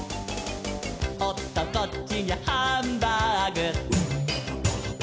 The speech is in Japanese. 「おっとこっちにゃハンバーグ」